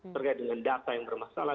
terkait dengan data yang bermasalah